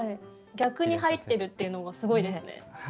逆に入ってるっていうのがすごいですね。